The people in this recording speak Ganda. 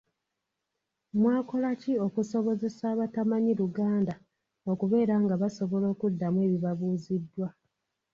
Mwakola ki okusobozesa abatamanyi Luganda okubeera nga basobola okuddamu ebibabuuziddwa?